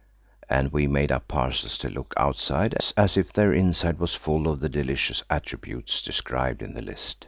And we made up parcels to look outside as if their inside was full of the delicious attributes described in the list.